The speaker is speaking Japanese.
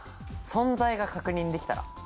存在が確認できたら。